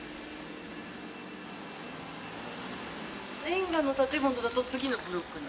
レンガの建物だと次のブロックに。